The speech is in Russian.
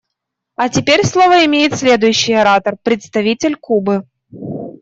А теперь слово имеет следующий оратор − представитель Кубы.